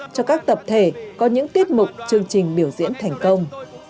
cho các tập thể có những tiết mục chương trình biểu diễn thành công